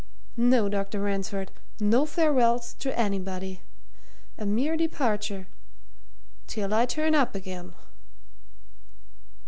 No, Dr. Ransford! no farewells to anybody! A mere departure till I turn up again."